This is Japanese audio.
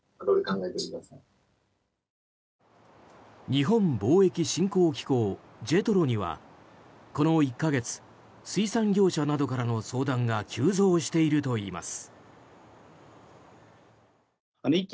日本貿易振興機構・ＪＥＴＲＯにはこの１か月、水産業者などからの相談が急増しているといいます。